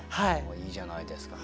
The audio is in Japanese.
いいじゃないですかね。